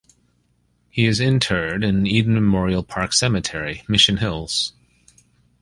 He is interred in Eden Memorial Park Cemetery, Mission Hills.